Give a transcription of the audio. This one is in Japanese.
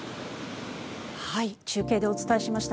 中継でお伝えしました。